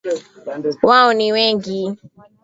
Wao ni wengi